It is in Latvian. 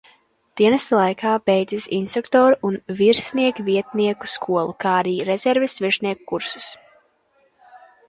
Dienesta laikā beidzis instruktoru un virsniekvietnieku skolu, kā arī rezerves virsnieku kursus.